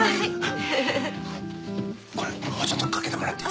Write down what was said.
これもうちょっとかけてもらっていいかな？